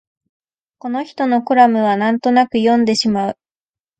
この人のコラムはなんとなく読んでしまう